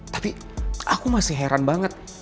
tapi aku masih heran banget